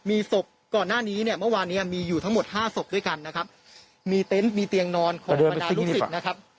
มีศพก่อนหน้านี้เนี่ยเมื่อวานเนี้ยมีอยู่ทั้งหมดห้าศพด้วยกันนะครับมีเต็นต์มีเตียงนอนของบรรดาลูกศิษย์นะครับ